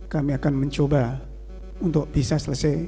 kami akan mencoba untuk bisa selesai